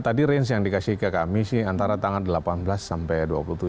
beri kasih ke kami sih antara tanggal delapan belas sampai dua puluh tujuh